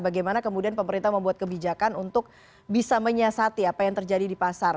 bagaimana kemudian pemerintah membuat kebijakan untuk bisa menyiasati apa yang terjadi di pasar